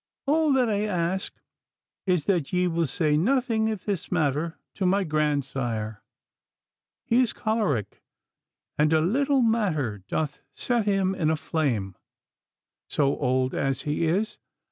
'All that I ask is that ye will say nothing if this matter to my grandsire. He is choleric, and a little matter doth set him in a flame, so old as he is.